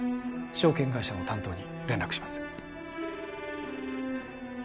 証券会社の担当に連絡します